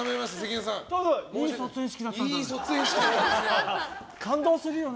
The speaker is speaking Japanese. いい卒園式だったんだね？